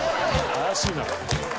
怪しいな。